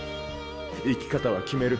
生き方は決める